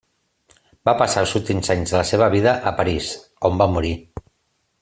Va passar els últims anys de la seva vida a París, on va morir.